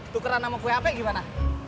tukeran sama kue hp gimana